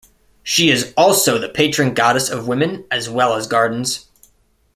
She is also the patron goddess of women as well as gardens.